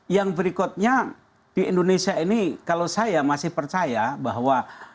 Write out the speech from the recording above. yang berikutnya di indonesia ini kalau saya masih percaya bahwa